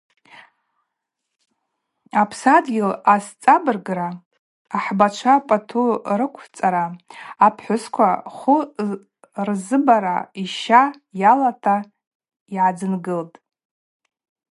Апсадгьыл азцӏабыргра, ахӏбачва пӏатӏу рыквцӏара, апхӏвысква хвы рзыбара йща йалата дгӏадзынгылтӏ.